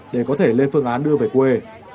để có thể lên phương án đưa về quê